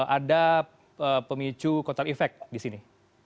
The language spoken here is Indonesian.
ada pemicu kotel efek di sini